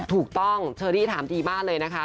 ถูกต้องเชอรี่ถามดีมากเลยนะคะ